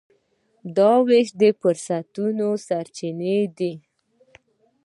دا وېش د فرصتونو او سرچینو دی.